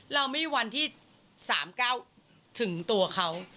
เราไม่วันที่๓๙ถึงตัวเขา